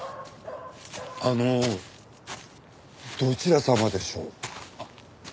あのどちら様でしょう？